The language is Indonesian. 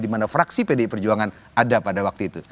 di mana fraksi pdi perjuangan ada pada waktu itu